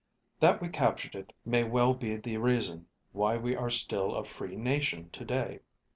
That we captured it may well be the reason that we are still a free nation today.